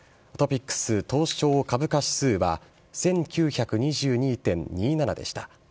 ＴＯＰＩＸ＝東証株価指数は１９２２．２７でした。